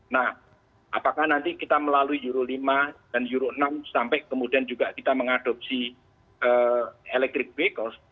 nah apakah nanti kita melalui euro lima dan euro enam sampai kemudian juga kita mengadopsi electric vehicles